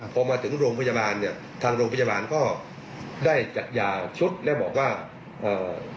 พอมาถึงโรงพยาบาลเนี่ยทางโรงพยาบาลก็ได้จัดยาชุดและบอกว่าเอ่อ